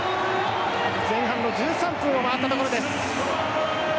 前半の１３分を回ったところです。